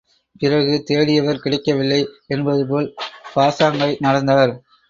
பிறகு தேடியவர் கிடைக்கவில்லை என்பதுபோல் பாசாங்காய் நடந்தார்.